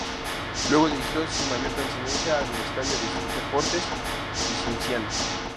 Luego dirigió sin mayor trascendencia a Universitario de Deportes y Cienciano.